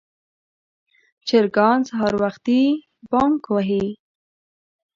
چرګان سهار وختي بانګ وهي.